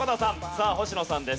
さあ星野さんです。